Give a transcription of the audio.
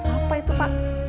apa itu pak